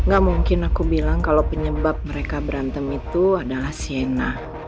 gak mungkin aku bilang kalau penyebab mereka berantem itu adalah siena